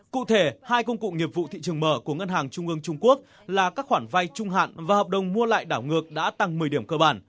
cụ thể hai công cụ nghiệp vụ thị trường mở của ngân hàng trung ương trung quốc là các khoản vay trung hạn và hợp đồng mua lại đảo ngược đã tăng một mươi điểm cơ bản